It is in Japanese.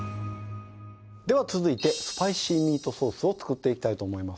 では続いてスパイシーミートソースを作っていきたいと思います。